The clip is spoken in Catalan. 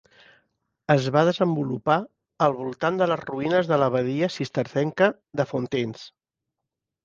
Es va desenvolupar al voltant de les ruïnes de l'abadia cistercenca de Fountains.